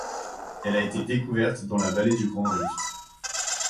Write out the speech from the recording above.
Elle a été découverte dans la vallée du grand rift.